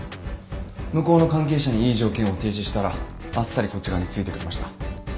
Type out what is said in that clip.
向こうの関係者にいい条件を提示したらあっさりこっち側に付いてくれました。